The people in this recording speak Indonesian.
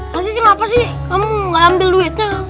maksudnya kenapa sih kamu gak ambil duitnya